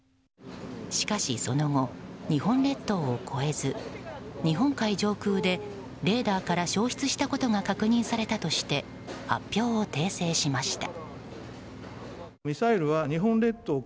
しかし、その後日本列島を越えず日本海上空でレーダーから消失したことが確認されたとして発表を訂正しました。